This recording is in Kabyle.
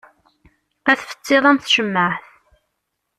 Ad tfettiḍ am tcemmaεt.